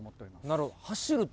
なるほど。